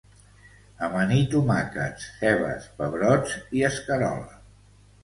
Amanir tomàquets, cebes, pebrots i escarola.